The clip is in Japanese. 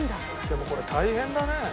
でもこれ大変だね。